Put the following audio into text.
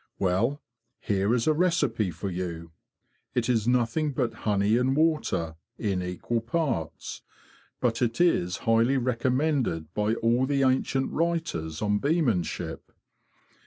Well, here is a recipe for you. It is nothing but honey and water, in equal parts, but it is highly recommended by all the ancient writers on beemanship.